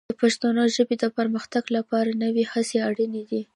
د پښتو ژبې د پرمختګ لپاره نوې هڅې اړینې دي.